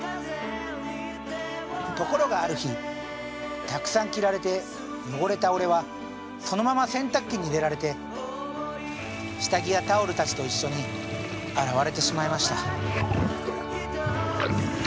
ところがある日たくさん着られて汚れた俺はそのまま洗濯機に入れられて下着やタオルたちと一緒に洗われてしまいました」。